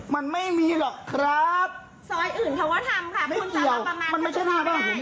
มันไม่เกี่ยวมันไม่ใช่หน้าบ้าน